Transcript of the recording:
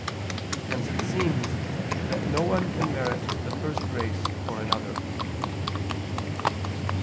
Hence it seems that no one can merit the first grace for another.